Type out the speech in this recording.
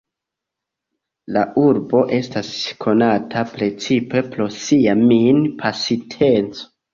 La urbo estas konata precipe pro sia min-pasinteco.